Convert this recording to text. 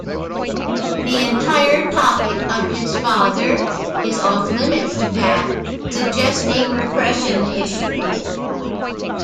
The entire topic of his father is off limits to Pat, suggesting repression issues.